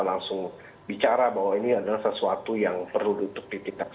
langsung bicara bahwa inilah sesuatu yang perlu waar terlihat ada leaned